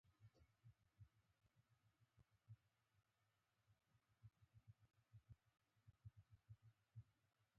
موټر د عصري ژوند برخه ده.